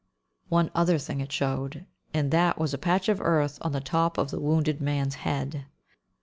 One other thing it showed, and that was a patch of earth on the top of the wounded man's head.